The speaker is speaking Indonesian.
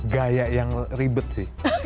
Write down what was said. gaya yang ribet sih